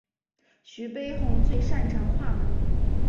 徐悲鸿最擅长画马。